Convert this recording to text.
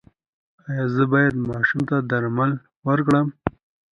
ایا زه باید ماشوم ته درمل ورکړم؟